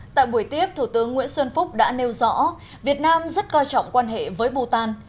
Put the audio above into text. tại buổi tiếp thủ tướng nguyễn xuân phúc đã nêu rõ việt nam rất coi trọng quan hệ với bhutan